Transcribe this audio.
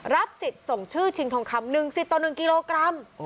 รับสิทธิ์ส่งชื่อชิงทองคำหนึ่งสิทธิ์ต่อหนึ่งกิโลกรัม